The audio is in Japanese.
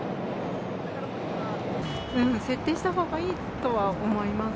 設定したほうがいいとは思います。